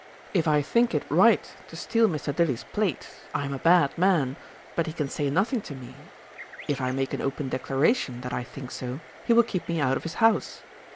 If I think it right to steal Mr. Dilly's plate, I am a bad man; but he can say nothing to me. If I make an open declaration that I think so, he will keep me out of his house.